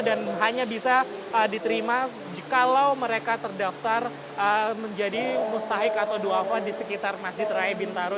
dan hanya bisa diterima kalau mereka terdaftar menjadi mustahik atau do'afa di sekitar masjid raya pintaro